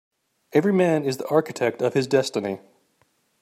Every man is the architect of his destiny.